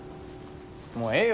もうええよ。